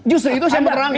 justru itu saya menerangin